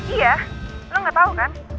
iya lo gak tau kan